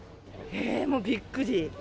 えー、もうびっくり。